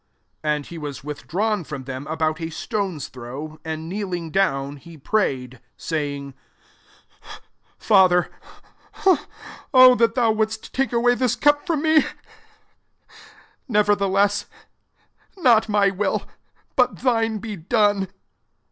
41 And he was withdrawn from them about a stone's throw, and kneel ing down, he prayed, 42 saying, "Father, O that thou wouldftt take away this cup from me I nevertheless, not my will, but thine, be done."